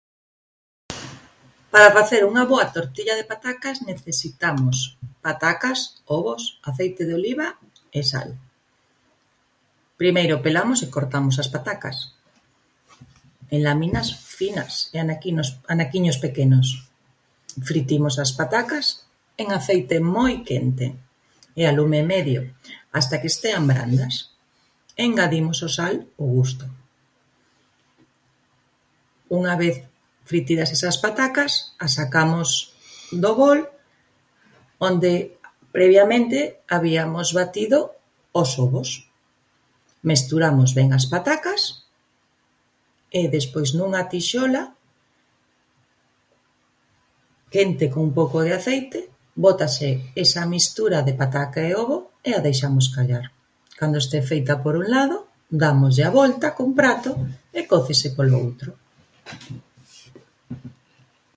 Para facer unha boa tortilla de patacas necesitamos: patacas, ovos, aceite de oliva e sal. Primeiro pelamos e cortamos as patacas en láminas finas e anaquinos anaquiños pequenos, fritimos as patacas en aceite moi quente e a lume medio, hasta que estean brandas. Engadimos o sal ó gusto. Unha vez fritidas esas patacas as sacamos do bol onde previamente habíamos batido os ovos. Mesturamos ben as patacas e despois nunha tixola quente cun pouco de aceite bótase esa mistura de pataca e ovo e a deixamos callar, cando esté feita por un lado dámoslle a volta cun prato e cócese polo outro.